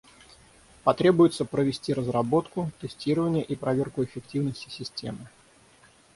Потребуется провести разработку, тестирование и проверку эффективности системы.